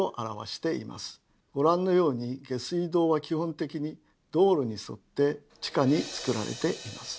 ご覧のように下水道は基本的に道路に沿って地下につくられています。